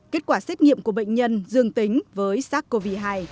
kết quả xét nghiệm của bệnh nhân dương tính với sars cov hai